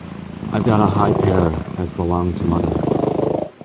I've got a high pair as belonged to mother.